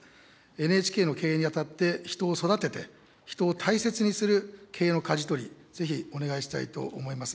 ＮＨＫの経営にあたって人を育てて、人を大切にする経営のかじ取り、ぜひお願いしたいと思います。